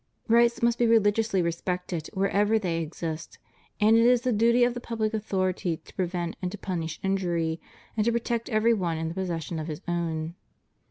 Rights must be religiously respected wherever they exist; and it is the duty of the public authority to pre vent and to punish injury, and to protect every one in the possession of his own.